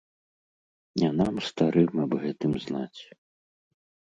Не нам, старым, аб гэтым знаць.